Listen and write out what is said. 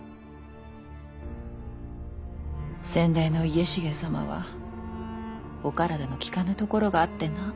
先代の家重様はお体のきかぬところがあってな。